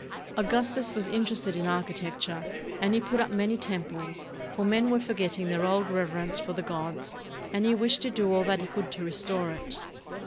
Augustus was interested in architecture, and he put up many temples, for men were forgetting their old rev erence for the gods, and he wished to do all that he could to restore it.